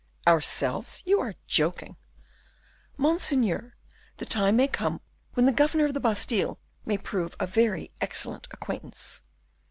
"Ourselves? You are joking." "Monseigneur, the time may come when the governor of the Bastile may prove a very excellent acquaintance."